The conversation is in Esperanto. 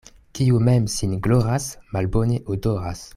Kiu mem sin gloras, malbone odoras.